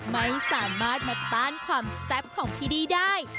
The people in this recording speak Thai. ไม่สามารถมาต้านความแซ่บของที่นี่ได้